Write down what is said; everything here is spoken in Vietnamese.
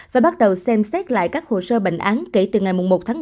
và bắt đầu xem xét lại các hồ sơ bệnh án kể từ ngày một một mươi hai nghìn hai mươi một